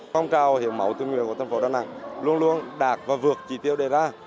phong trào hiến máu tình nguyện của thành phố đà nẵng luôn luôn đạt và vượt chỉ tiêu đề ra